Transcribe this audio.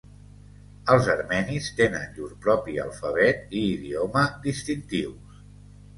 Els armenis tenen llur propi alfabet i idioma distintius.